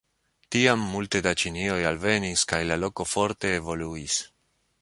Tiam multe da ĉinoj alvenis kaj la loko forte evoluis.